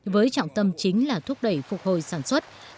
với trọng tâm chính là thúc đẩy phục hồi sản xuất